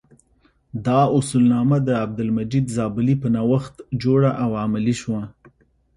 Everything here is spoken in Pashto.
دا اصولنامه د عبدالمجید زابلي په نوښت جوړه او عملي شوه.